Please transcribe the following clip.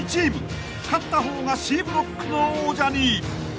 ［勝った方がＣブロックの王者に］